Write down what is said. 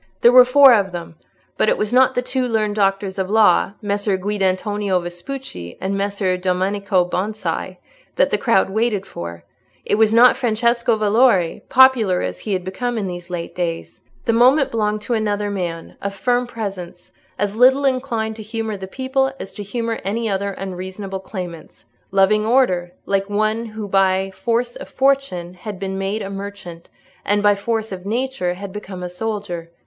There were four of them; but it was not the two learned doctors of law, Messer Guidantonio Vespucci and Messer Domenico Bonsi, that the crowd waited for; it was not Francesco Valori, popular as he had become in these late days. The moment belonged to another man, of firm presence, as little inclined to humour the people as to humour any other unreasonable claimants—loving order, like one who by force of fortune had been made a merchant, and by force of nature had become a soldier.